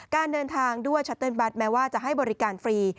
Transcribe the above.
การเดินทางด้วยชัตเติ้ลบัตรแม้ว่าจะให้บริการฟรี